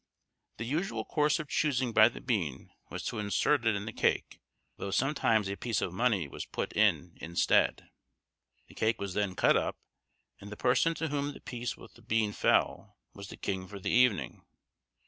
The usual course, of choosing by the bean, was to insert it in the cake, though sometimes a piece of money was put in instead. The cake was then cut up, and the person to whom the piece with the bean fell was the king for the evening.